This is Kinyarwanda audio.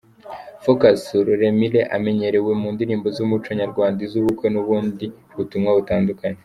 Focus Ruremire amenyerewe mu ndirimbo z’umuco nyarwanda, iz’ubukwe n’ubundi butumwa butandukanye.